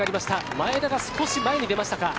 前田が少し前に出ましたか。